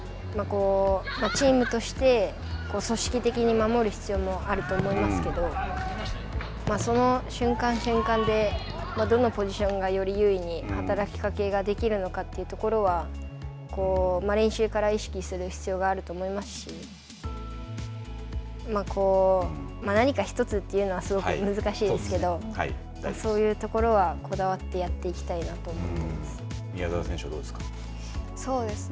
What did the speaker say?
チームとして組織的に守る必要もあると思いますけど、その瞬間瞬間でどのポジションがより優位に働きかけができるのかというところは、練習から意識する必要があると思いますし、何か１つというのは、すごく難しいですけど、そういうところは、こだわって宮澤選手はどうですか。